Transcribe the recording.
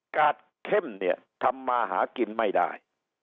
กาดเข้มเนี่ยทำมาหากินไม่ได้